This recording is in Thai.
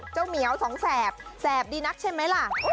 เหมียวสองแสบแสบดีนักใช่ไหมล่ะ